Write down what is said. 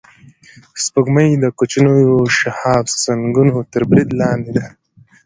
سپوږمۍ د کوچنیو شهابسنگونو تر برید لاندې ده